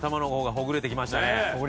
ほぐれてきましたね。